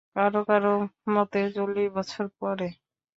কারো কারো মতে, চল্লিশ বছর পরে।